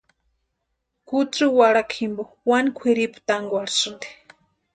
Kutsï warhakwa jimpo wani kwʼiripu tánkwarhisïnti.